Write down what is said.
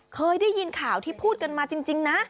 เคยได้ยินข่าวที่พูดกันมาจริงนะ